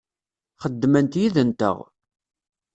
Xeddment yid-nteɣ.